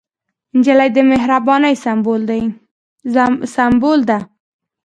نجلۍ د مهربانۍ سمبول ده.